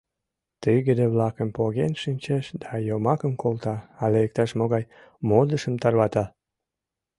Тыгыде-влакым поген шинчеш да йомакым колта але иктаж-могай модышым тарвата.